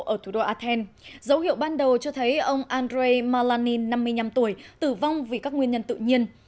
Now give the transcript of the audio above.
ở thủ đô athen dấu hiệu ban đầu cho thấy ông andrei malanin năm mươi năm tuổi tử vong vì các nguyên nhân tự nhiên